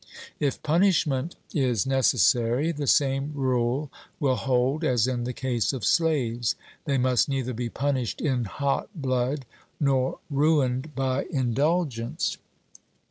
If punishment is necessary, the same rule will hold as in the case of slaves; they must neither be punished in hot blood nor ruined by indulgence.